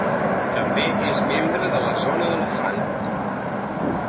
També és membre de la zona del franc.